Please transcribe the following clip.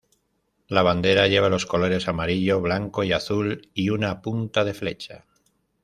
La bandera lleva los colores amarillo, blanco y azul y una punta de flecha.